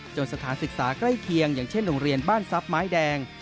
สถานศึกษาใกล้เคียงอย่างเช่นโรงเรียนบ้านทรัพย์ไม้แดง